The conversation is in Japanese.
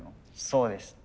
そうです。